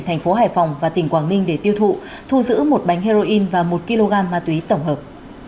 thành phố hải phòng và tỉnh quảng ninh để tiêu thụ thu giữ một bánh heroin và một kg ma túy tổng hợp